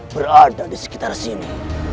berada di sekitar sini